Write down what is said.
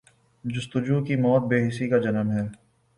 جستجو کی موت بے حسی کا جنم ہے۔